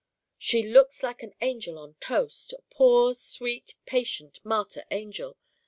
She looks like an angel on toast, a poor, sweet, patient, martyr angel.